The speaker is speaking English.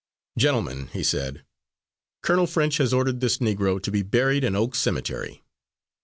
"Gentlemen," he said, "Colonel French has ordered this Negro to be buried in Oak Cemetery.